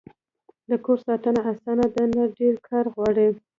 د کور ساتنه اسانه ده؟ نه، ډیر کار غواړی